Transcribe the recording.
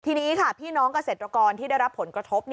ทีนี้ค่ะพี่น้องเกษตรกรที่ได้รับผลกระทบ